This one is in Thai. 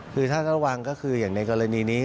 คือถ้าระวังก็คืออย่างในกรณีนี้